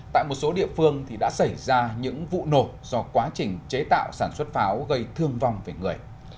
tại một số địa phương thì đã xảy ra những vụ nổ do quá trình chế tạo sản xuất pháo gây thương vong về người